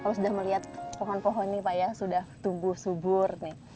kalau sudah melihat pohon pohon ini pak ya sudah tumbuh subur nih